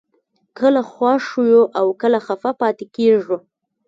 کله خوښ یو او کله خفه پاتې کېږو